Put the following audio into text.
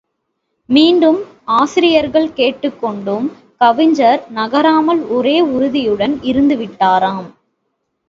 மீண்டும் ஆசிரியர்கள் கேட்டுக் கொண்டும் கவிஞர் நகராமல் ஒரே உறுதியுடன் இருந்து விட்டாராம்.